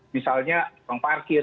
misalnya orang parkir